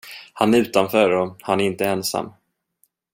Han är utanför och han är inte ensam.